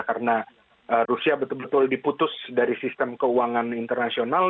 karena rusia betul betul diputus dari sistem keuangan internasional